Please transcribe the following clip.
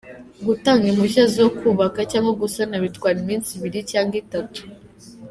Gutanga impushya zo kubaka cyangwa gusana bitwara iminsi ibiri cyangwa itatu.